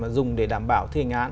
dùng để đảm bảo thi hành án